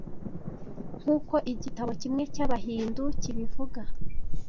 Nk’uko igitabo kimwe cy’Abahindu kibivuga,